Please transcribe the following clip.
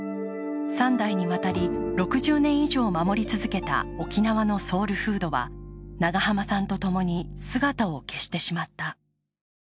３代にわたり６０年以上守り続けた沖縄のソウルフードは、長濱さんとともに姿を消してしまった。